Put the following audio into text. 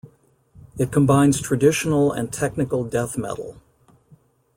It combines traditional and technical death metal.